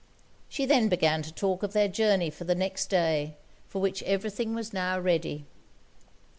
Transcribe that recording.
She then began to talk of their journey for the next day, for which every thing was now ready.